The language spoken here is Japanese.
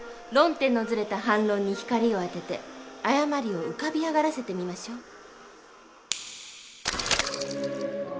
論点のずれた反論に光を当てて誤りを浮かび上がらせてみましょう。